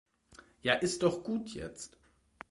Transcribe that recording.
Ja ist doch gut jetzt.